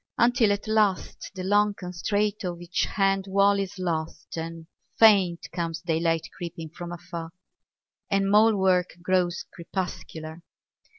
Until at last the long constraint Of each hand wall is lost, and faint Comes daylight creeping from afar ; And mole work grows crepuscular.